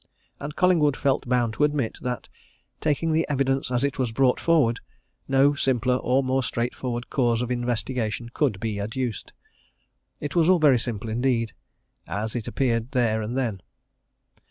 And Collingwood felt bound to admit that, taking the evidence as it was brought forward, no simpler or more straightforward cause of investigation could be adduced. It was all very simple indeed as it appeared there and then.